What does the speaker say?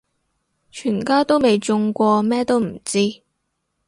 全家都未中過咩都唔知